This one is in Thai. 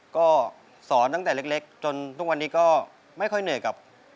ก็สอนตั้งแต่เล็กจนทุกวันนี้ก็ไม่ค่อยเหนื่อยกับ